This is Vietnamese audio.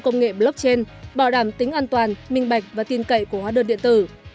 công nghệ blockchain bảo đảm tính an toàn minh bạch và tin cậy của hóa đơn điện tử